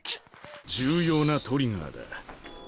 重要なトリガーだ